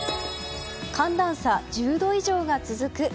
寒暖差１０度以上が続く。